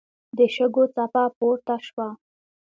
د شګو څپه پورته شوه.